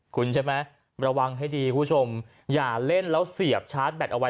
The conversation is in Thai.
คุณใช่ไหมระวังให้ดีคุณผู้ชมอย่าเล่นแล้วเสียบชาร์จแบตเอาไว้